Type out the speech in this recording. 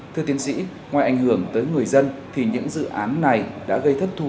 thưa tiến sĩ ngoài ảnh hưởng tới người dân thì những dự án này đã gây thất thù